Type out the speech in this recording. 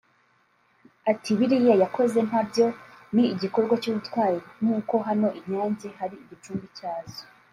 Ati « biriya yakoze nabyo ni igikorwa cy’ubutwari nk’uko hano inyange hari igicumbi cyazo